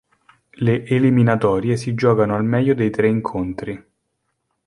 Le eliminatorie si giocano al meglio dei tre incontri.